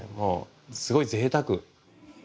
すごいぜいたく。